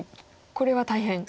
これは大変。